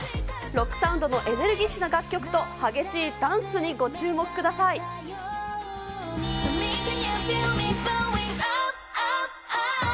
ロックサウンドのエネルギッシュな楽曲と激しいダンスにご注目ください。